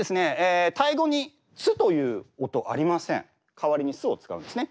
代わりに「す」を使うんですね。